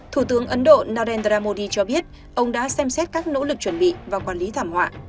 thủ tướng ấn độ narendra modi cho biết ông đã xem xét các nỗ lực chuẩn bị và quản lý thảm họa